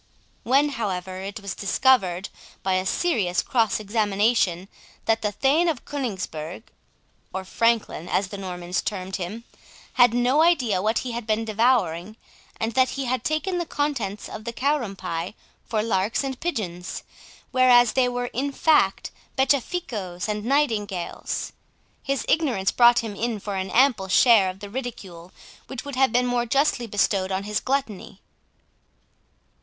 When, however, it was discovered, by a serious cross examination, that the Thane of Coningsburgh (or Franklin, as the Normans termed him) had no idea what he had been devouring, and that he had taken the contents of the Karum pie for larks and pigeons, whereas they were in fact beccaficoes and nightingales, his ignorance brought him in for an ample share of the ridicule which would have been more justly bestowed on his gluttony.